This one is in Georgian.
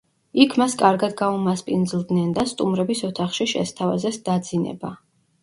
იქ მას კარგად გაუმასპინძლდნენ და სტუმრების ოთახში შესთავაზეს დაძინება.